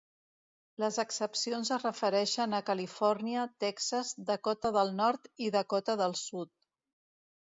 Les excepcions es refereixen a Califòrnia, Texas, Dakota del Nord i Dakota del Sud.